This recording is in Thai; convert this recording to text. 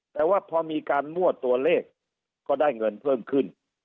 แต่ว่าพอมีการมั่วตัวเลขก็ได้เงินเพิ่มขึ้น